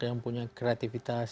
yang punya kreativitas